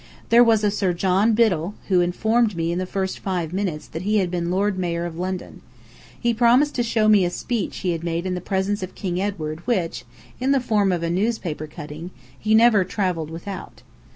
There was a Sir John Biddell, who informed me in the first five minutes that he had been Lord Mayor of London. He promised to show me a speech he had made in the presence of King Edward which, in the form of a newspaper cutting, he never travelled without.